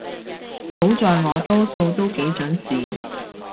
好在我多數都幾準時